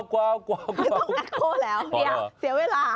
ต้องแอคโค้ด้วยแล้วเสียเวลา